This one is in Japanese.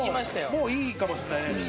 もういいかもしんないね